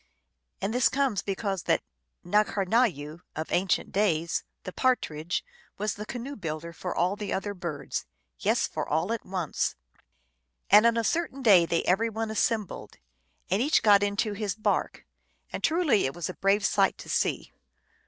And this comes because that N^karnayoo, of ancient days, the Partridge, was the canoe builder for all the other birds. Yes, for all at once. And on a certain day they every one assembled, and each got into his bark, and truly it was a brave sight to see.